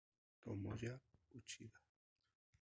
Tomoya Uchida